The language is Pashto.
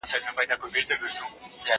سبزیحات د مور له خوا تيار کيږي؟!